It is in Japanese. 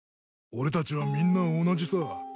俺たちはみんな同じさ。